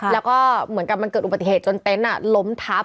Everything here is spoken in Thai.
แล้วก็เหมือนกับมันเกิดอุบัติเหตุจนเต็นต์ล้มทับ